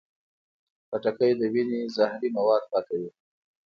خټکی د وینې زهري مواد پاکوي.